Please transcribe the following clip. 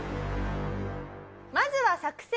まずは作戦